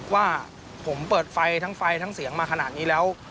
ว่าผมเปิดไฟทั้งไฟทั้งเสียงมาขนาดนี้แล้ว